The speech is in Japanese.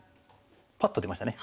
パッと出ましたね。